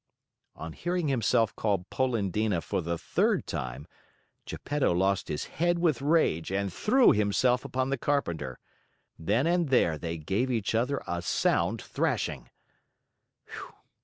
On hearing himself called Polendina for the third time, Geppetto lost his head with rage and threw himself upon the carpenter. Then and there they gave each other a sound thrashing.